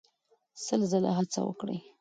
سل ځله هڅه وکړئ.